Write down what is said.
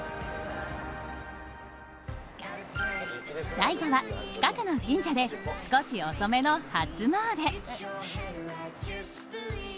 最後は近くの神社で少し遅めの初詣。